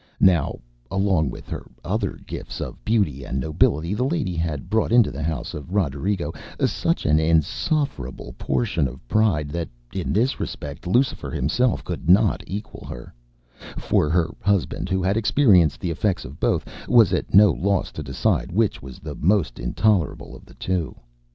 Now, along with her other gifts of beauty and nobility, the lady had brought into the house of Roderigo such an insufferable portion of pride, that in this respect Lucifer himself could not equal her; for her husband, who had experienced the effects of both, was at no loss to decide which was the most intolerable of the two.